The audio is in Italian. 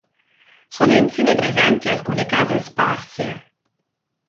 Sono infine presenti alcune case sparse.